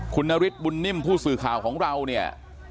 คุณนฤทธิบุญนิ่มผู้สื่อข่าวของเราเนี่ย